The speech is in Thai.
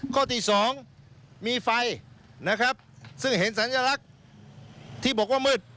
ข้อที่สองมีไฟนะครับซึ่งเห็นสัญลักษณ์ที่บอกว่ามืด